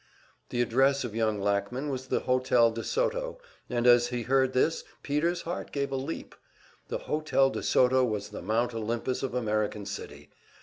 The address of young Lackman was the Hotel de Soto; and as he heard this, Peter's heart gave a leap. The Hotel de Soto was the Mount Olympus of American City!